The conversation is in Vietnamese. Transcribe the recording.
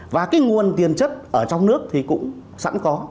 và cái nguồn tiền chất ở trong nước thì cũng sẵn có